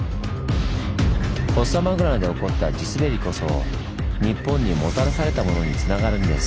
フォッサマグナで起こった地すべりこそ日本にもたらされたものにつながるんです。